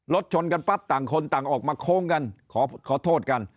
ชนกันปั๊บต่างคนต่างออกมาโค้งกันขอโทษกัน